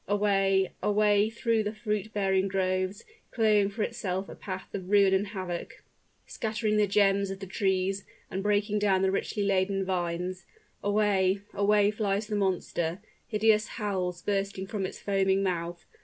Away away, through the fruit bearing groves, clearing for itself a path of ruin and havoc, scattering the gems of the trees, and breaking down the richly laden vines; away away flies the monster, hideous howls bursting from its foaming mouth.